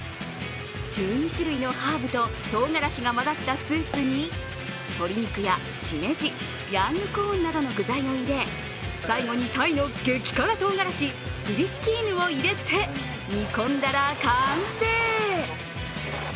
１２種類のハーブととうがらしが混ざったスープに鶏肉やしめじ、ヤングコーンなどの具材を入れ最後にタイの激辛唐辛子プリッキーヌを入れて煮込んだら完成。